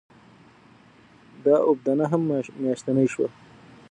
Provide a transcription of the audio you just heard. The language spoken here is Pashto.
د اوبدنه هم ماشیني شوه.